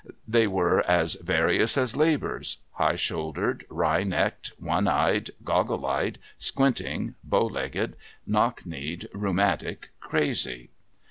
They were as various as labourers ■— high shouldered, wry necked, one eyed, goggle eyed, squinting, bow legged, knock kneed, rheumatic, crazy.